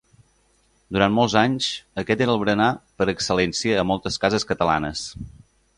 Durant molts anys, aquest era el berenar per excel·lència a moltes cases catalanes.